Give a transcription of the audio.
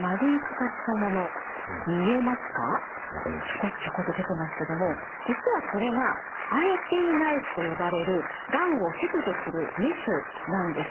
チョコッチョコッと出てますけども実はこれがＩＴナイフと呼ばれるがんを切除するメスなんです。